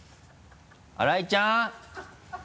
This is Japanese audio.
新井ちゃん？